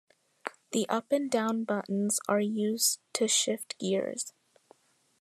The up and down buttons are used to shift gears.